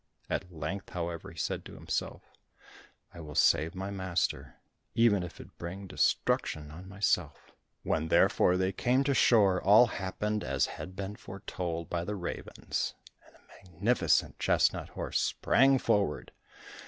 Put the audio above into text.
At length, however, he said to himself, "I will save my master, even if it bring destruction on myself." When therefore they came to shore, all happened as had been foretold by the ravens, and a magnificent chestnut horse sprang forward.